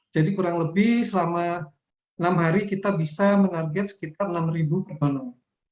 jadi kurang lebih selama enam hari kita bisa menarget sekitar enam ribu pedonor